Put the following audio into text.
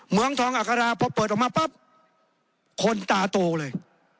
เมืองทองอัคราพอเปิดออกมาปั๊บคนตาโตเลย